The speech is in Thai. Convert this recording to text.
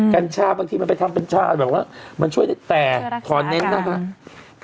กัญชาบางทีมันไปทำกัญชาแบบว่ามันช่วยได้แต่ขอเน้นนะฮะ